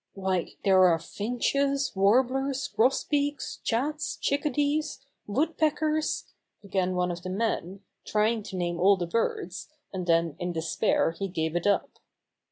"Why, there are finches, warblers, gros beaks, chats, chickadees, woodpeckers," began one of the men, trying to name all the birds, and then in despair he gave it up.